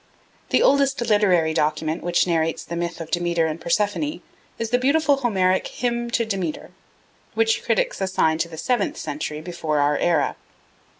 The oldest literary document which narrates the myth of Demeter and Persephone is the beautiful Homeric Hymn to Demeter, which critics assign to the seventh century before our era.